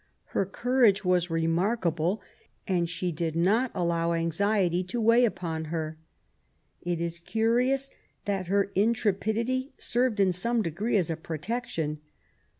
Her courage was remarkable, and she did not allow anxiety to weigh upon her. It is curious that her intrepidity served to some degree as a protection.